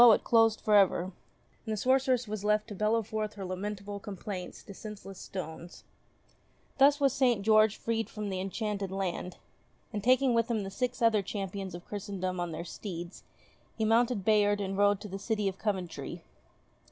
it closed for ever, and the sorceress was left to bellow forth her lamentable complaints to senseless stones. 4 ENGLISH FAIRY TALES Thus was St. George freed from the enchanted land, and taking with him the six other champions of Christendom on their steeds, he mounted Bayard and rode to the city of Coventry.